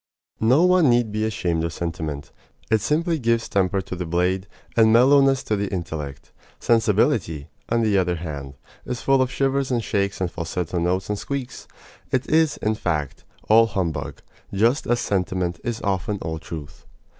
No one need be ashamed of sentiment. It simply gives temper to the blade, and mellowness to the intellect. Sensibility, on the other hand, is full of shivers and shakes and falsetto notes and squeaks. It is, in fact, all humbug, just as sentiment is often all truth.